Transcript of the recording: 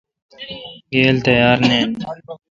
گیل تیار نین۔